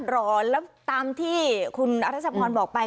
รอแล้วตามที่คุณอรัชพรบอกไป